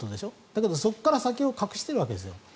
だけど、そこから先を隠しているわけです。